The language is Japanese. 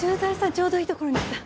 ちょうどいいところに来た。